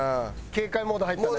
警戒モード入ったね。